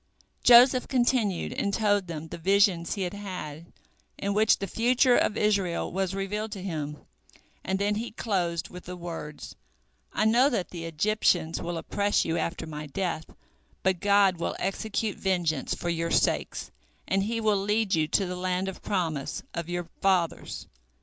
Joseph continued and told them the visions he had had, in which the future of Israel was revealed to him, and then he closed with the words: "I know that the Egyptians will oppress you after my death, but God will execute vengeance for your sakes, and He will lead you to the land of promise of your fathers.